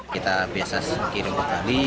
kita biasa kirim ke bali